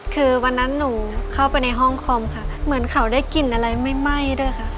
คือวันนั้นหนูเข้าไปในห้องคอมค่ะเหมือนเขาได้กลิ่นอะไรไหม้ด้วยค่ะ